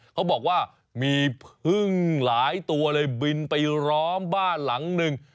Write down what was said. เขาบอกว่ามีพึ่งหลายตัวเลยบินไปร้อมบ้านหลังหนึ่ง